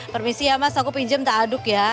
permisi ya mas aku pinjam tak aduk ya